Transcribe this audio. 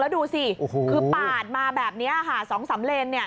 แล้วดูสิคือปาดมาแบบนี้ค่ะ๒๓เลนส์